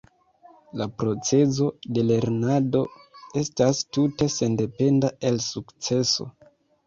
La procezo de lernado estas tute sendependa el sukceso.